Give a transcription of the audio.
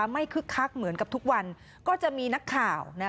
คึกคักเหมือนกับทุกวันก็จะมีนักข่าว